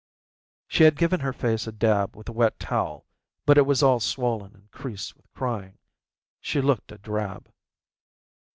She had given her face a dab with a wet towel, but it was all swollen and creased with crying. She looked a drab.